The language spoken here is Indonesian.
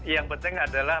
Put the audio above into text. yang penting adalah